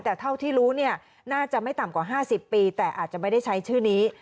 แต่เท่าที่รู้เนี่ยน่าจะไม่ต่ำกว่า๕๐ปีแต่อาจจะไม่ได้ใช้ชื่อนี้